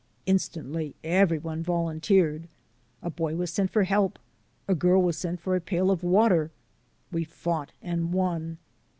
Instantly everyone volunteered. A boy was sent for help, a girl was sent for a pail of water. We fought and won.